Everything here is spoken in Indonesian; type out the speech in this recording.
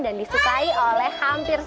dan disukai orang lain